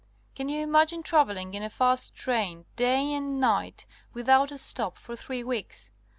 Can you imagine travelling in a fast train, day and night, without a stop, for three weeks?